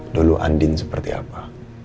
dulu andin seperti apa